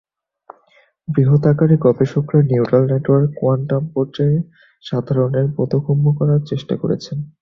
বৃহৎ আকারে গবেষকরা নিউরাল নেটওয়ার্ক কোয়ান্টাম পর্যায়ে সাধারণের বোধগম্য করার চেষ্টা করছেন।